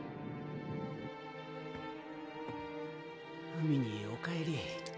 海にお帰り。